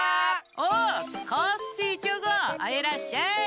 おっコッシーチョコンいらっしゃい！